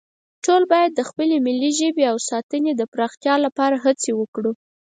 ټول باید د خپلې ملي ژبې د ساتنې او پرمختیا لپاره هڅې وکړو